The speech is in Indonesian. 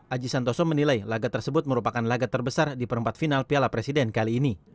aji santoso menilai laga tersebut merupakan laga terbesar di perempat final piala presiden kali ini